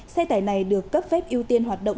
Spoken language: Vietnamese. xe tải này được cấp phép ưu tiên hoạt động